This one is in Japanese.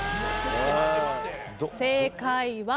正解は。